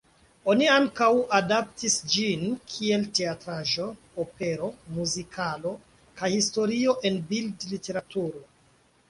Oni ankaŭ adaptis ĝin kiel teatraĵo, opero, muzikalo kaj historio en bildliteraturo.